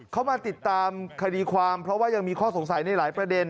เขามาติดตามคดีความเพราะว่ายังมีข้อสงสัยในหลายประเด็น